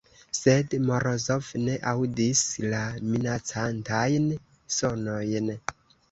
Sed Morozov ne aŭdis la minacantajn sonojn.